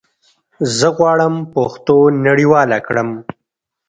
زه غواړم پښتو نړيواله کړم